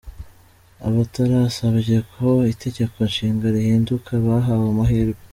Abatarasabye ko itegeko nshinga rihinduka bahawe amahirwe .